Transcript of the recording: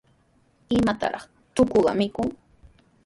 ¿Imataraq tukuqa mikun?